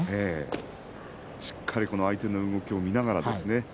しっかり相手の動きを見ながらですね。